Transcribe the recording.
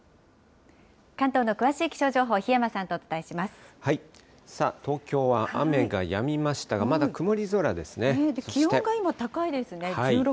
関東の詳しい気象情報、さあ、東京は雨がやみました気温が今、高いですね。